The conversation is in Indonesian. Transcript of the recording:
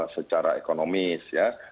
secara ekonomis ya